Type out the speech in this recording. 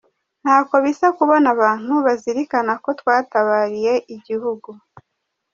Ntako bisa kubona abantu bazirikana ko twatabariye igihugu”.